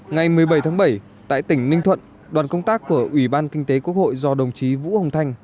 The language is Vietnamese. ngày một mươi bảy tháng bảy tại tỉnh ninh thuận đoàn công tác của ủy ban kinh tế quốc hội do đồng chí vũ hồng thanh